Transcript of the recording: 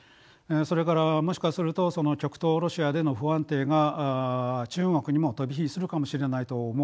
それからもしかすると極東ロシアでの不安定が中国にも飛び火するかもしれないと思うかもしれない。